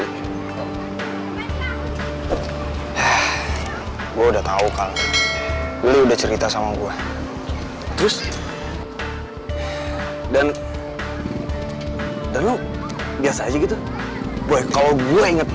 gue udah tahu kalau udah cerita sama gue terus dan dan lo biasa aja gitu gue kalau gue inget